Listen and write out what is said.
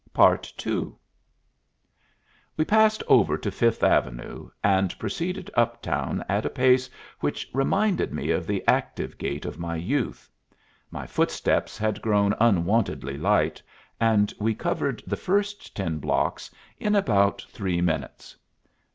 II We passed over to Fifth Avenue, and proceeded uptown at a pace which reminded me of the active gait of my youth. My footsteps had grown unwontedly light, and we covered the first ten blocks in about three minutes.